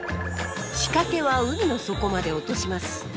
仕掛けは海の底まで落とします。